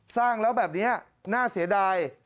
สร้างแล้วแบบนี้น่าเสียดาย